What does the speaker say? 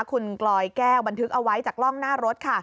คุณกลอยแก้วบันทึกเอาไว้จากกล้องหน้ารถค่ะ